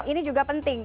ini juga penting